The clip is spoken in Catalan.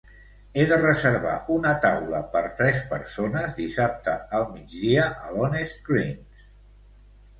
He de reservar una taula per tres persones dissabte al migdia a l'Honest Greens.